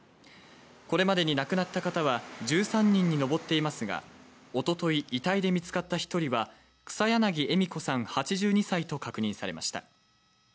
これまでに亡くなった方は１３人に上っていますが、一昨日、遺体で見つかった１人は、草やなぎ笑子さん８２歳と確認されました。